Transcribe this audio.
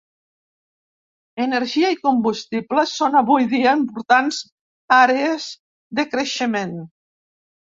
Energia i combustibles són avui dia importants àrees de creixement.